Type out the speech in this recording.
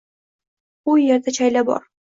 U yerda chayla bor